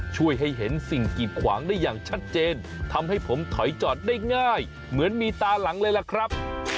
ช่วยให้เห็นสิ่งกีดขวางได้อย่างชัดเจนทำให้ผมถอยจอดได้ง่ายเหมือนมีตาหลังเลยล่ะครับ